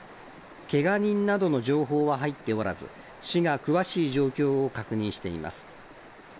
けが人などの情報は入っておらず、市が詳しい状況を確認しています。